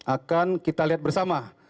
akan kita lihat bersama